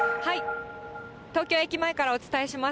東京駅前からお伝えします。